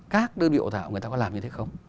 các đơn vị đào tạo người ta có làm như thế không